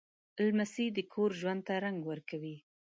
لمسی د کور ژوند ته رنګ ورکوي.